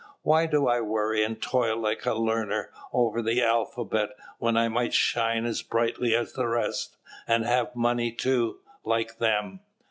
Why do I worry, and toil like a learner over the alphabet, when I might shine as brightly as the rest, and have money, too, like them?"